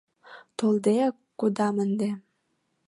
Толдеак кодам ынде.